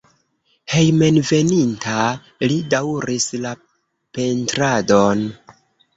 Hejmenveninta li daŭris la pentradon.